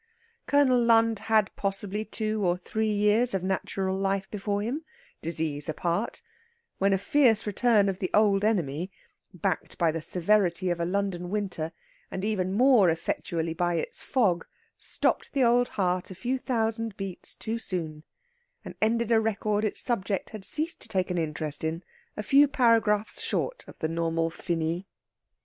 Colonel Lund had possibly two or three years of natural life before him, disease apart, when a fierce return of the old enemy, backed by the severity of a London winter, and even more effectually by its fog, stopped the old heart a few thousand beats too soon, and ended a record its subject had ceased to take an interest in a few paragraphs short of the normal finis.